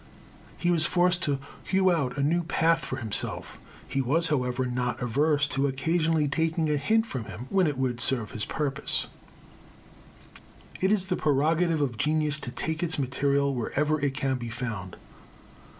He was forced to hew out a new path for himself. He was, however, not averse to occasionally taking a hint from him when it would serve his purpose. It is the prerogative of genius to take its material wherever it can be found.